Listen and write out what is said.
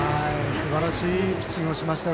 すばらしいピッチングをしましたよ